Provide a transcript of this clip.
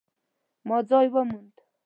ما ځای وموند